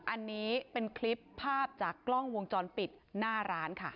อันนี้เป็นคลิปภาพจากกล้องวงจรปิดหน้าร้านค่ะ